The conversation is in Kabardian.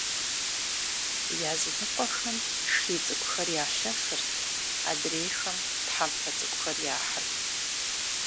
Языныкъуэхэм шхий цӏыкӏухэр ялъэфырт, адрейхэм тхьэмпэ цӏыкӏухэр яхьырт.